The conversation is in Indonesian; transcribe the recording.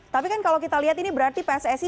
tapi kan kalau kita lihat ini berarti pssi